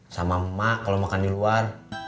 sama emak kalau makan di luar